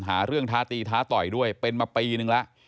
หาเรื่องท้าตีท้าต่อยด้วยเป็นมาปีนึงแล้ว